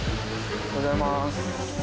おはようございます。